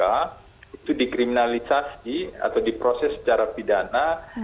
itu dikriminalisasi atau diproses secara pidana